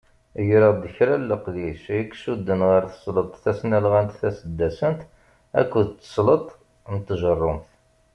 Greɣ-d kra leqdic i icudden ɣer tesleḍt tasnalɣant taseddasant akked tesleḍt n tjerrumt.